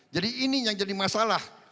jadi ini yang jadi masalah